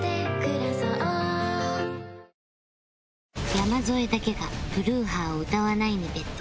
山添だけが「プルーハー」を歌わないに ＢＥＴ